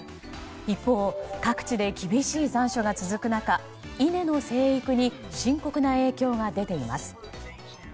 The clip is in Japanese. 一方、各地で厳しい残暑が続く中稲の生育に深刻な影響が出ています。